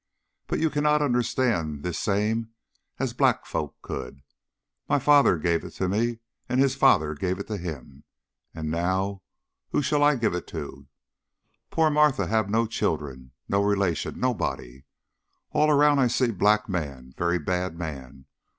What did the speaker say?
But you cannot understand this same as black folk could. My fader give it me, and his fader give it him, but now who shall I give it to? Poor Martha hab no child, no relation, nobody. All round I see black man very bad man.